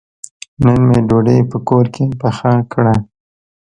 نن مې ډوډۍ په کور کې پخه کړه.